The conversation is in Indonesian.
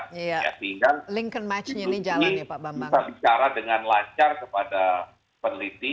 sehingga itu bisa kita bicara dengan lancar kepada peneliti